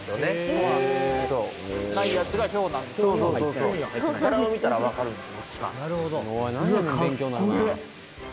そうそう・柄を見たら分かるんです